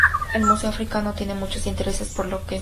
El Museo Africano tiene muchos intereses por los que visitarlo.